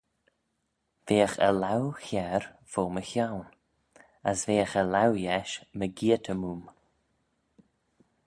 Veagh e laue chiare fo my chione, as veagh e laue yesh mygeayrt-y-moom.